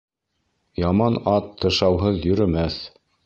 Яман ат тышауһыҙ йөрөмәҫ.